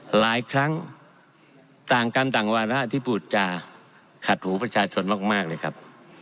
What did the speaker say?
หลายครั้งต่างกรรมต่างวาระที่พูดจาขัดหูประชาชนมากเลยครับ